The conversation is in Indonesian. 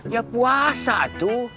ya puasa tuh